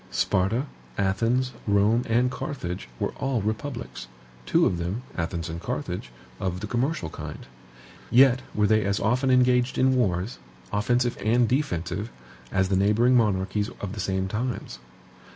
Sparta, Athens, Rome, and Carthage were all republics; two of them, Athens and Carthage, of the commercial kind. Yet were they as often engaged in wars, offensive and defensive, as the neighboring monarchies of the same times.